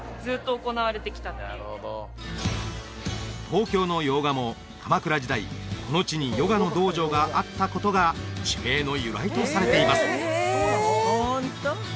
東京の用賀も鎌倉時代この地にヨガの道場があったことが地名の由来とされています